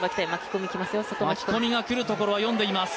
巻き込みがくるところは読んでいました。